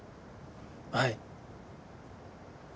はい。